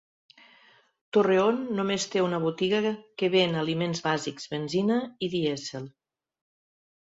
Torreón només té una botiga que ven aliments bàsics, benzina i dièsel.